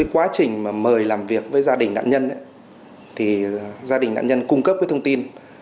quá trình mời làm việc với gia đình nạn nhân gia đình nạn nhân cung cấp thông tin